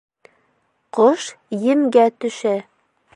Ҡош емгә төшә